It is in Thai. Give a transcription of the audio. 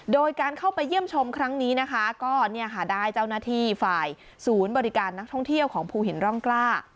โดยการเข้าไปเยี่ยมชมครั้งนี้นะคะก็เนี่ยค่ะได้เจ้าหน้าที่ฝ่ายศูนย์บริการนักท่องเที่ยวของภูหินร่องกล้า